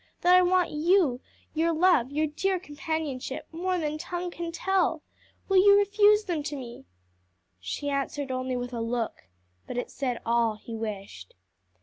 that I want you, your love, your dear companionship, more than tongue can tell? Will you refuse them to me?" She answered only with a look, but it said all he wished.